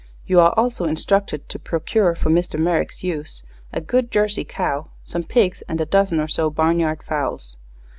You are also instructed to procure for Mr. Merrick's use a good Jersey cow, some pigs and a dozen or so barnyard fowls.